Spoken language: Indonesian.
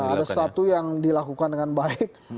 ada sesuatu yang dilakukan dengan baik